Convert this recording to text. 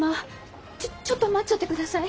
ちょちょっと待ちょってください。